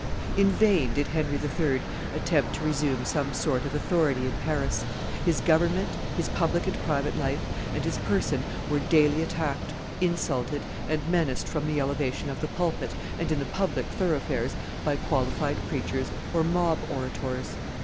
In vain did Henry III. attempt to resume some sort of authority in Paris; his government, his public and private life, and his person were daily attacked, insulted, and menaced from the elevation of the pulpit and in the public thoroughfares by qualified preachers or mob orators.